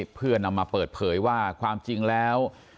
เพื่อนำมาเปิดเผยว่าความจริงแล้ว